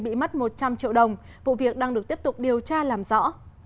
bị mất một trăm linh triệu đồng vụ việc đang được tiếp tục điều tra làm rõ